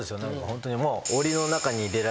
ホントにもう。